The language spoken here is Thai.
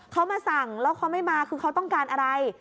เขามาสั่งแล้วเขาไม่มาคือเขาต้องการอะไร